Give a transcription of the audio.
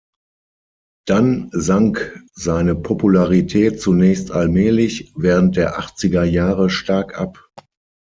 Dann sank seine Popularität zunächst allmählich, während der achtziger Jahre stark ab.